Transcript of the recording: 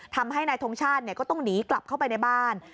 ทำให้นายทงชาติก็ต้องหนีกลับเข้าไปในบ้าน